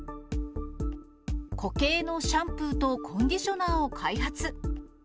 固形のシャンプーとコンディショナーを開発。